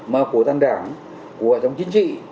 mà của tàn đảng của dòng chính trị